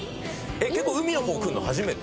結構海の方来るの初めて？